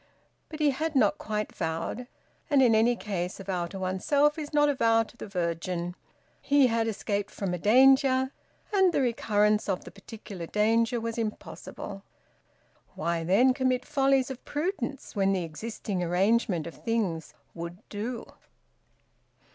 But he had not quite vowed. And, in any case, a vow to oneself is not a vow to the Virgin. He had escaped from a danger, and the recurrence of the particular danger was impossible. Why then commit follies of prudence, when the existing arrangement of things `would do'?